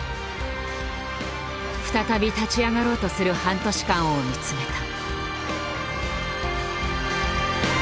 再び立ち上がろうとする半年間を見つめた。